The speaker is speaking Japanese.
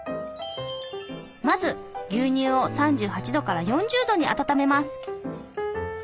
まず牛乳を３８４０℃に温めます。